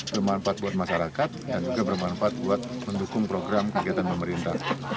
bermanfaat buat masyarakat dan juga bermanfaat buat mendukung program kegiatan pemerintah